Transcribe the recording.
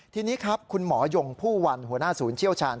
ทีนี้ครับคุณหมอยงผู้วันหัวหน้าศูนย์เชี่ยวชาญ